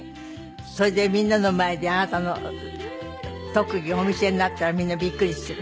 それでみんなの前であなたの特技お見せになったらみんなびっくりする。